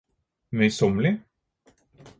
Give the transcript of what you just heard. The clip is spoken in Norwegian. møysommelig